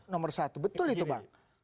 nomor satu betul itu bang